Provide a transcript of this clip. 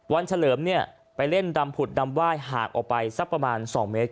เฉลิมเนี่ยไปเล่นดำผุดดำไหว้ห่างออกไปสักประมาณ๒เมตร